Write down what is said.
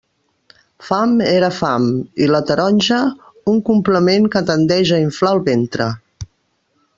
Fam era fam, i la taronja, un complement que tendeix a inflar el ventre.